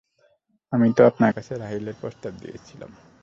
আমি তো আপনার কাছে রাহীলের প্রস্তাব দিয়েছিলাম।